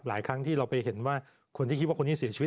หลายครั้งที่เราไปเห็นว่าคนที่คิดว่าคนที่เสียชีวิต